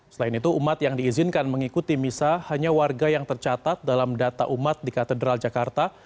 selain itu umat yang diizinkan mengikuti misa hanya warga yang tercatat dalam data umat di katedral jakarta